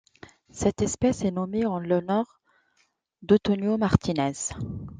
Cette espèce est nommée en l'honneur d'Antonio Martínez.